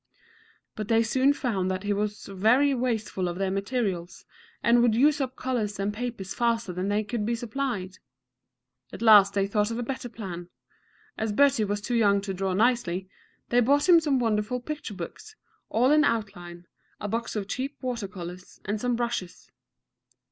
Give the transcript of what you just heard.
But they soon found that he was very wasteful of their materials, and would use up colors and paper faster than they could be supplied. At last they thought of a better plan. As Bertie was too young to draw nicely, they bought him some wonderful picture books, all in outline, a box of cheap water colors, and some brushes.